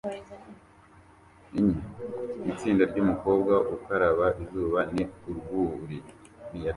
Itsinda ryumukobwa ukaraba izuba ni urwuri